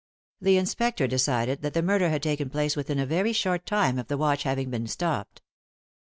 The inspector decided that the murder had taken place within a very short time of the watch having been stopped.